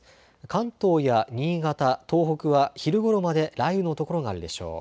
関東や新潟、東北は昼ごろまで雷雨の所があるでしょう。